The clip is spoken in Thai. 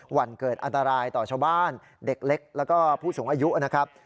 วันเกิดอันตรายต่อชาวบ้านเด็กเล็กแล้วก็ผู้สูงอายุนะครับ